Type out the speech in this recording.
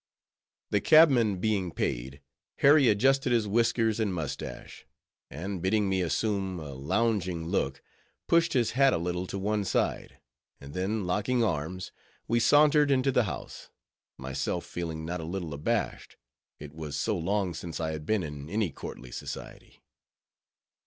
The cabman being paid, Harry adjusting his whiskers and mustache, and bidding me assume a lounging look, pushed his hat a little to one side, and then locking arms, we sauntered into the house; myself feeling not a little abashed; it was so long since I had been in any courtly society.